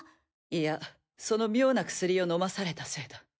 いやその妙な薬を飲まされたせいだ。